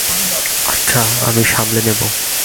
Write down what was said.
আচ্ছা, আমি সামলে নেবো।